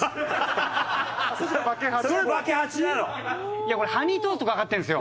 いやこれハニートーストかかってるんですよ。